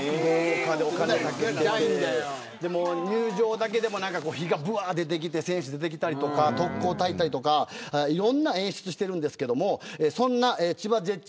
入場だけでも火が出てきて選手が出てきたり特効たいたりとかいろんな演出してますけどそんな千葉ジェッツ